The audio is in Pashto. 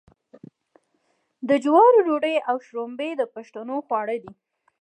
د جوارو ډوډۍ او شړومبې د پښتنو خواړه دي.